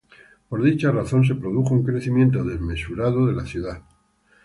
Por dicha razón se produjo un crecimiento desmesurado de la ciudad.